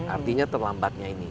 artinya terlambatnya ini